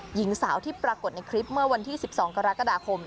หญิงสาวที่ปรากฏในคลิปเมื่อวันที่๑๒กรกฎาคม